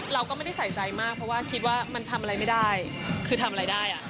เราก็ไม่ได้ใส่ใจมากเพราะว่าคิดว่ามันทำอะไรไม่ได้คือทำอะไรได้อ่ะ